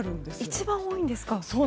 一番多いんですか。